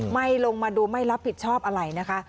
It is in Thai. ลงมาดูไม่รับผิดชอบอะไรนะคะ